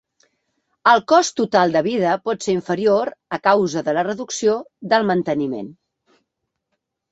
El cost total de vida pot ser inferior a causa de la reducció del manteniment.